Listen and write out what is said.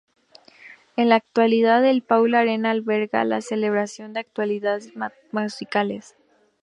En la actualidad, el Pula Arena alberga la celebración de actuaciones musicales.